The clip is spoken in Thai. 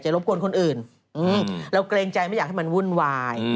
รบกวนคนอื่นเราเกรงใจไม่อยากให้มันวุ่นวาย